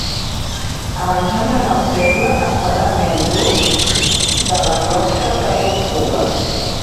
Avançant en el segle es farà menys ús de la closca de tortuga.